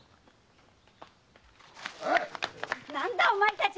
何だおまえたち！